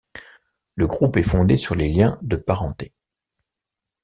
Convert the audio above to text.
Le groupe est fondé sur les liens de parenté.